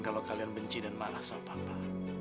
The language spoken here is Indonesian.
kalau kalian benci dan marah sama papa